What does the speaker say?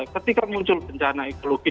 ketika muncul bencana ekologi